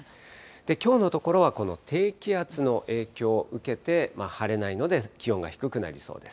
きょうのところは、この低気圧の影響を受けて、晴れないので気温が低くなりそうです。